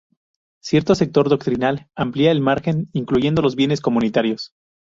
Cierto sector doctrinal amplía el margen, incluyendo los bienes comunitarios.